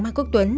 mai quốc tuấn